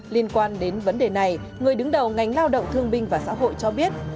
liên quan đến vấn đề này người đứng đầu ngành lao động thương binh và xã hội cho biết